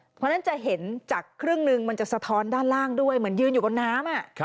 เพราะฉะนั้นจะเห็นจากครึ่งนึงมันจะสะท้อนด้านล่างด้วยเหมือนยืนอยู่บนน้ำ